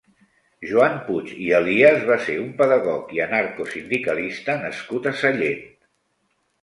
Joan Puig i Elias va ser un pedagog i anarcosindicalista nascut a Sallent.